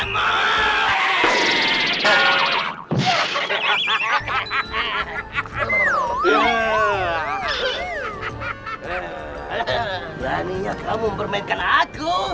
berani ya kamu bermain kena aku